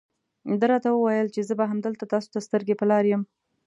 ده راته وویل چې زه به همدلته تاسو ته سترګې په لار یم.